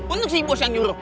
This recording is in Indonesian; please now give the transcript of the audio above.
untuk si bos yang nyuruh